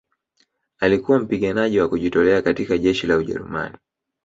alikuwa mpiganaji wa kujitolea katika jeshi la ujerumani